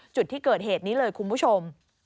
จุดที่เกิดเหตุนี้เลยคุณผู้ชม